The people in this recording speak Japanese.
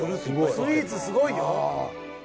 スイーツすごいよ。